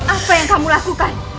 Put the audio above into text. apa yang kamu lakukan